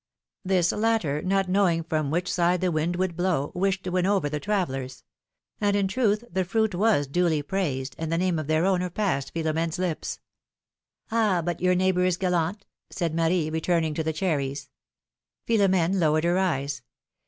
This latter, not knowing from which side the wind would blow, wished to win over the travellers ; and, in truth, the fruit was duly praised, and the name of their owner passed Philom^ne's lips. ^'Ah ! but your neighbor is gallant !" said Marie, return ing to the cherries. Philom^ne lowered her eyes.